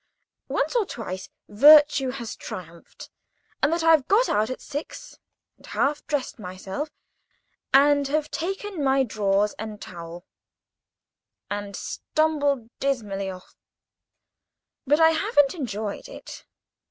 Once or twice virtue has triumphed, and I have got out at six and half dressed myself, and have taken my drawers and towel, and stumbled dismally off. But I haven't enjoyed it.